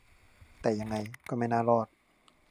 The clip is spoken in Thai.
แต่ยังไงก็ไม่น่ารอด